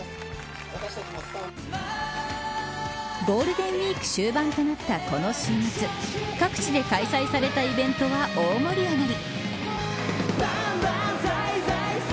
ゴールデンウイーク終盤となったこの週末各地で開催されたイベントは大盛り上がり。